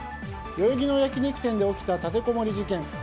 代々木の焼き肉店で起きた立てこもり事件。